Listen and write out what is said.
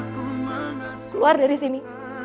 keluar dari sini